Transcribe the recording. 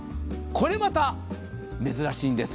これまた珍しいんです。